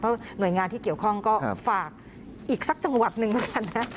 หน่วยงานที่เกี่ยวข้องก็ฝากอีกสักจังหวัดหนึ่งแล้วกันนะ